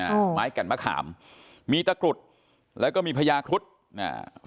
อ่าไม้แก่นมะขามมีตะกรุดแล้วก็มีพญาครุฑอ่า